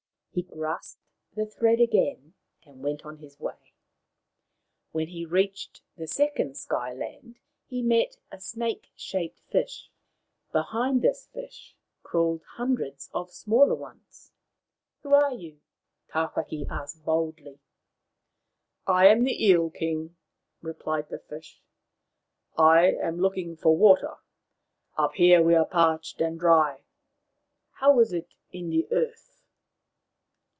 He grasped the thread again, and went on his way. When he reached the second Sky land he met a snake shaped fish. Behind this fish crawled hundreds of smaller ones. " Who are you ?" Tawhaki asked boldly. " I am the Eel king," replied the fish. " I am looking for water. Up here we are parched and dry. How is it in the earth